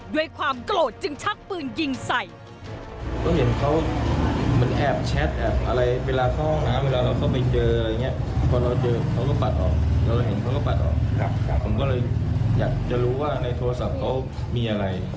ด้วยความโกรธจึงชักปืนยิงใส่